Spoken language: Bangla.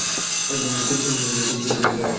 খুব দ্রুত যেতে হবে।